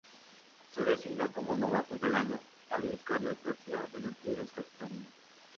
Se designó como novato del año a Luis Carlos García de los Tigres Capitalinos.